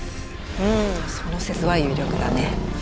うんその説は有力だね。